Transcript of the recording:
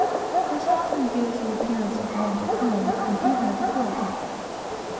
This often gives an appearance of want of feeling, and even of cruelty.